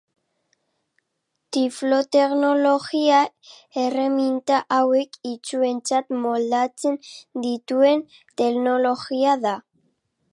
Tifloteknologia erreminta hauek itsuentzat moldatzen dituen teknologia da.